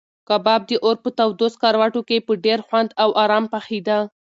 کباب د اور په تودو سکروټو کې په ډېر خوند او ارام پخېده.